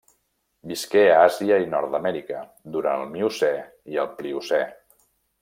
Visqué a Àsia i Nord-amèrica durant el Miocè i el Pliocè.